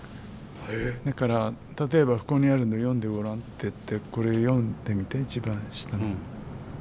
だから例えばここにあるの読んでごらんって言ってこれ読んでみて一番下の。